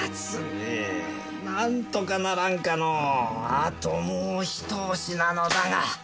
あともうひと押しなのだが！